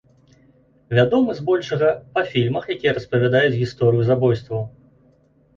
Вядомы, збольшага, па фільмах, якія распавядаюць гісторыю забойстваў.